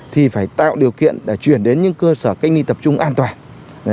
thì phải tạo điều kiện để chuyển đến những cơ sở cách ly tập trung an toàn